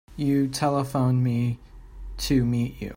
You telephoned me to meet you.